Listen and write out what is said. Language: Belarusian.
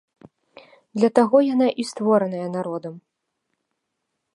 Для таго яна і створаная народам.